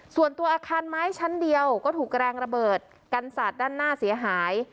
ส่วนตัวอาคารไม้ชั้นเดียวก็ถูกแรงระเบิดกันสาดด้านหน้าเสียหาย